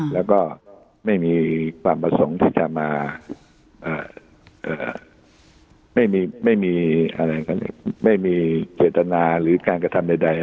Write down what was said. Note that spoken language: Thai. แล้วก็ไม่มีความประสงค์ที่จะมาไม่มีอะไรไม่มีเจตนาหรือการกระทำใด